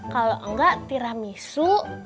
kalau enggak tiramisu